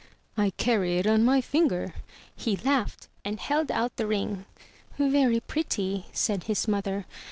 " I carry it on my finger/* He laughed, and held out the ring. "Very pretty,'* said his mother.